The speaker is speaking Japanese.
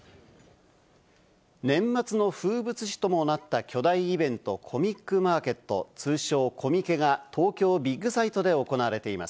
年末の風物詩ともなった巨大イベント、コミックマーケット、通称コミケが、東京ビッグサイトで行われています。